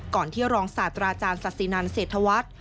ที่รองศาสตราอาจารย์ศาสินันเศรษฐวัฒน์